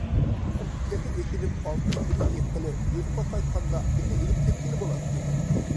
تېخى ئېشىنىپ، ئالتۇن- كۈمۈش يىغقىلى، يۇرتقا قايتقاندا بىللە ئېلىپ كەتكىلى بولاتتى.